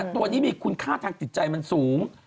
ตัวนี้มีคุณค่าทางจิตใจมันสูง